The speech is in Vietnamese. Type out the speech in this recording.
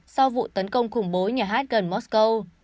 sau vụ tấn công khủng bố nhà hát gần moscow